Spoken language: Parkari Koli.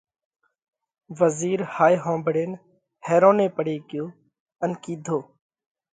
وزِير هائي ۿومڀۯينَ حيروني پڙي ڳيو ان ڪِيڌو: